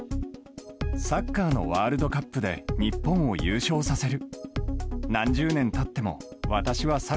サッカーのワールドカップで日本を優勝させる。